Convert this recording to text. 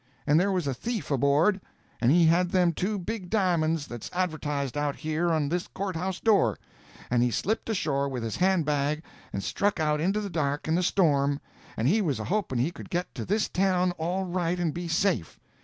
And there was a thief aboard, and he had them two big di'monds that's advertised out here on this courthouse door; and he slipped ashore with his hand bag and struck out into the dark and the storm, and he was a hoping he could get to this town all right and be safe.